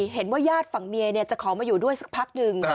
ญาติฝั่งเมียจะขอมาอยู่ด้วยสักพักหนึ่ง